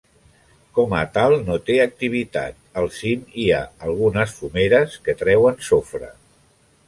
Com a tal no té activitat; al cim, hi ha algunes fumeres que treuen sofre.